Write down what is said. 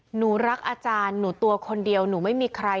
หนูรักอาจารย์หนูตัวคนเดียวหนูไม่มีใคร